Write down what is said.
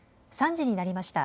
３時になりました。